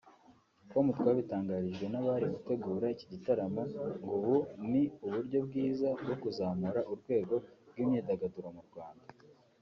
com twabitangarijwe nabari gutegura iki gitaramo ngo ubu ni uburyo bwiza bwo kuzamura urwego rw’imyidagaduro mu Rwanda